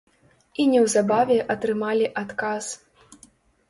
І неўзабаве атрымалі адказ.